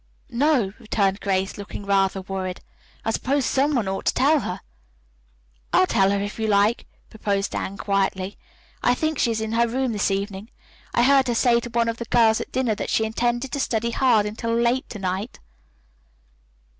"No," returned Grace, looking rather worried. "I suppose some one ought to tell her." "I'll tell her, if you like," proposed Anne quietly. "I think she is in her room this evening. I heard her say to one of the girls at dinner that she intended to study hard until late to night."